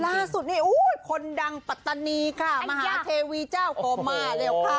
ล่าสุดนี่คนดังปัตตานีค่ะมหาเทวีเจ้าก็มาแล้วค่ะ